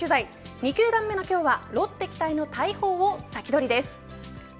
２球団目の今日はロッテ期待の大砲をサキドリです。